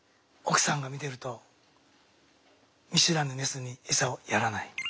奥さんが見てると見知らぬメスにエサをやらない。